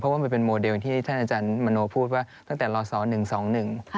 เพราะว่ามันเป็นโมเดลที่ท่านอาจารย์มโน้พูดว่าตั้งแต่ลดสร้าง๑๒๑